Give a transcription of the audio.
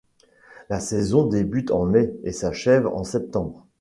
La saison débute en mai et s'achève en septembre.